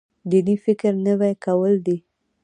دیني فکر نوی کول دی.